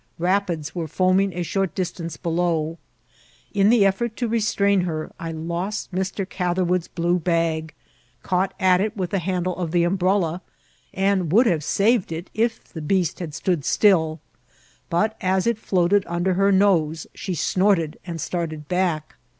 Rapids were foaming a short distance below. In the effort to restrain her, I lost Mr. Gather* wood's blue bag, caught at it with the handle of the umbrella, and would have saved it if the beast had stood still; but as it floated under her nose she snort* ed and started back.